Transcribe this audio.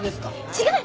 違う。